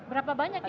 berapa banyak ini